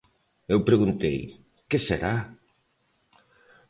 Eu preguntei: que será?